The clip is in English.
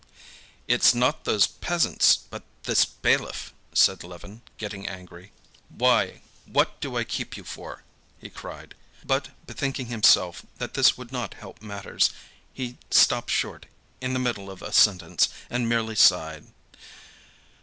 "It's not those peasants but this bailiff!" said Levin, getting angry. "Why, what do I keep you for?" he cried. But, bethinking himself that this would not help matters, he stopped short in the middle of a sentence, and merely sighed.